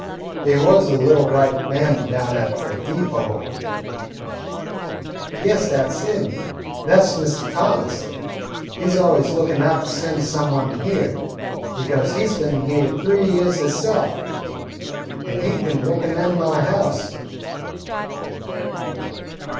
"He was a little bright man down at de deepo." "Yes, that 's him. That 's Mr. Thomas. He 's always lookin' out to send some one here, because he 's been here three years hisself an' he kin recommend my house."